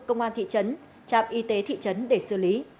công an thị trấn trạm y tế thị trấn để xử lý